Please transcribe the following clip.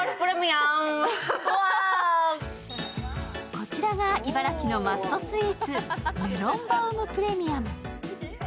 こちらが茨城のマストスイーツ、メロンバウムプレミアム。